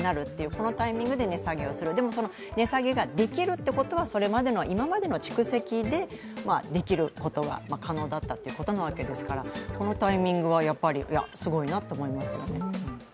このタイミングで値下げをする、でも、値下げができるということは今までの蓄積でできることが可能だったっていうわけですからこのタイミングはすごいなと思いますよね。